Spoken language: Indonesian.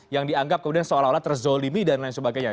yang dianggap kemudian seolah olah terzolimi dan lain sebagainya